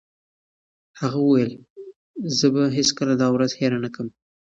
هغه وویل چې زه به هیڅکله دا ورځ هېره نه کړم.